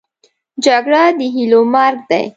جګړه د هیلو مرګ دی